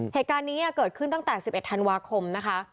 เหตุการณ์นี้เกิดขึ้นตั้งแต่๑๑ธันวาคมนะคะ